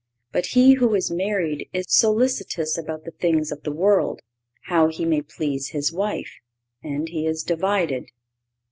But he who is married is solicitous about the things of the world—how he may please his wife—and he is divided."